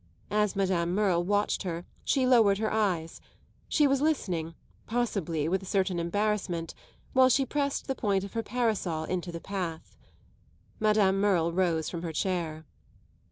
As Madame Merle watched her she lowered her eyes; she was listening, possibly with a certain embarrassment, while she pressed the point of her parasol into the path. Madame Merle rose from her chair.